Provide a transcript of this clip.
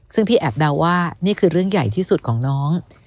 ซึ่งพี่แอบเดาว่านี่คือเรื่องใหญ่ที่สุดของน้อง